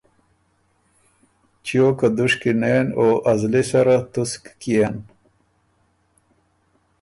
چیو که دُشکی نېن او ا زلی سره تُسک کيېن